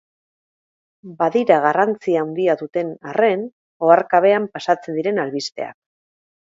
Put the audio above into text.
Badira garrantzia handia duten arren, oharkabean pasatzen diren albisteak.